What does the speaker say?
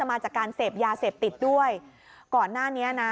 มาจากการเสพยาเสพติดด้วยก่อนหน้านี้นะ